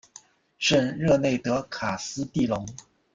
圣热内德卡斯蒂隆。